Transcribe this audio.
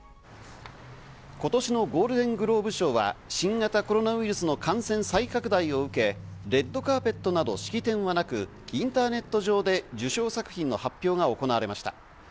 今年のゴールデングローブ賞が新型コロナウイルスの感染再拡大を受け、レッドカーペットなど式典はなく、インターネット上で受賞作品の発表が行われました。